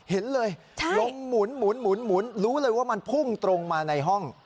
เห็นเลยลมหมุนรู้เลยว่ามันพุ่งตรงมาในห้อง